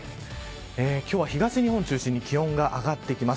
今日は東日本を中心に気温が上がってきます。